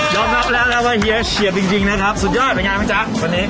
รับแล้วนะว่าเฮียเฉียบจริงนะครับสุดยอดเป็นไงบ้างจ๊ะวันนี้